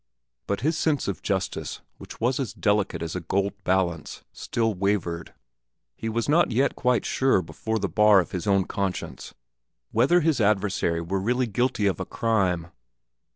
But his sense of justice, which was as delicate as a gold balance, still wavered; he was not yet quite sure before the bar of his own conscience whether his adversary were really guilty of a crime.